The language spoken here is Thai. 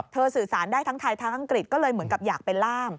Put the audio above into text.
สื่อสารได้ทั้งไทยทั้งอังกฤษก็เลยเหมือนกับอยากเป็นล่าม